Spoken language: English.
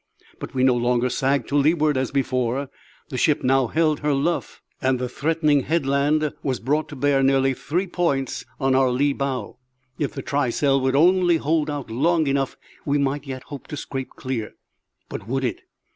But we no longer sagged to leeward as before; the ship now held her luff, and the threatening headland was brought to bear nearly three points on our lee bow; if the trysail would only hold out long enough we might yet hope to scrape clear. But would it?